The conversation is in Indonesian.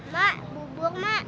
mak bubuk mak